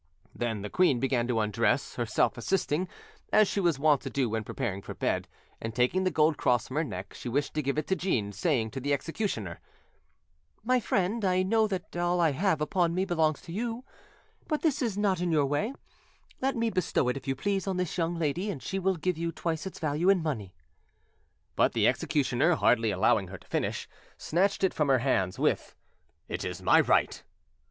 Then the queen began to undress, herself assisting, as she was wont to do when preparing for bed, and taking the gold cross from her neck, she wished to give it to Jeanne, saying to the executioner— "My friend, I know that all I have upon me belongs to you; but this is not in your way: let me bestow it, if you please, on this young lady, and she will give you twice its value in money." But the executioner, hardly allowing her to finish, snatched it from her hands with— "It is my right."